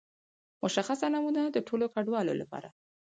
مشخصه نمونه د ټولو ګډونوالو لپاره.